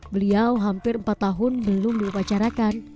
beliau hampir empat tahun belum diupacarakan